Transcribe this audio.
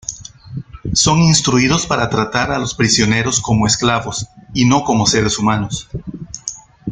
Son instruidos para tratar a los prisioneros como esclavos y no como seres humanos.